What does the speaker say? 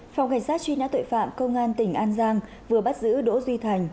phòng cảnh sát truy nã tội phạm công an tỉnh an giang vừa bắt giữ đỗ duy thành